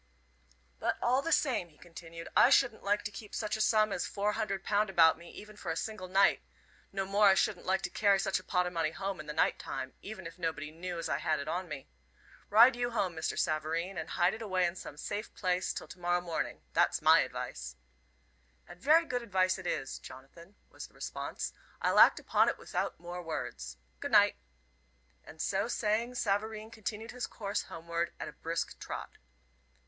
"But all the same," he continued, "I shouldn't like to keep such a sum as four hundred pound about me, even for a single night. No more I shouldn't like to carry such a pot o' money home in the night time, even if nobody knew as I had it on me. Ride you home, Mr. Savareen, and hide it away in some safe place till to morrow morning that's my advice." "And very good advice it is, Jonathan," was the response. "I'll act upon it without more words. Good night!" And so saying, Savareen continued his course homeward at a brisk trot.